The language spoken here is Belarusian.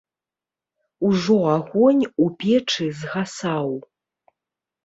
Ужо агонь у печы згасаў.